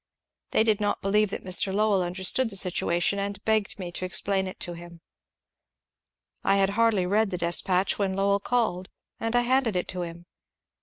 They did not believe that Mr. Lowell under stood the situation, and begged me to explain it to him. I had hardly read the despatch when Lowell called, and I handed it to him.